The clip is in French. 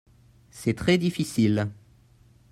C'est très difficile.